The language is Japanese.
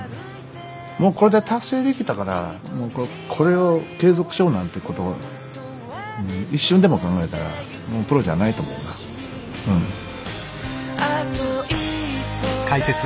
もうこれで達成できたからこれを継続しようなんてことを一瞬でも考えたらもうプロじゃないと思うなうん。